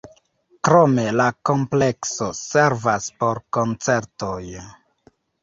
Krome la komplekso servas por koncertoj.